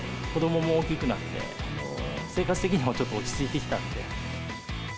子どもも大きくなって、生活的にもちょっと落ち着いてきたんで。